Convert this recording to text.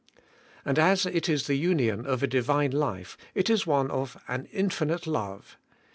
And as it is the union of a Divine life, it is one of an infinite love.